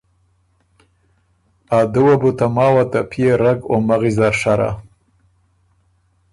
ا دُوه بو ته ماوه ته پئے رګ او مغِز نر شرا۔